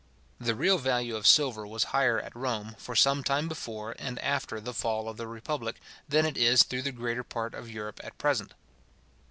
The real value of silver was higher at Rome, for sometime before, and after the fall of the republic, than it is through the greater part of Europe at present.